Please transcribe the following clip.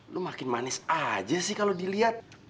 lu makin manis aja sih kalau dilihat